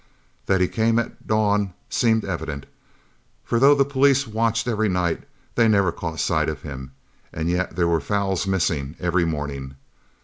That he came at dawn seemed evident, for though the police watched every night, they never caught sight of him, and yet there were fowls missing every morning.